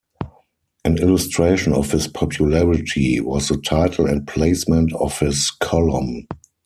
An illustration of his popularity was the title and placement of his column.